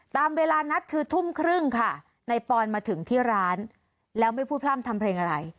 ตามเวลานัดคือทุ่มครึ่งค่ะนายปอนมาถึงที่ร้านแล้วไม่พูดพร่ำทำเพลงอะไร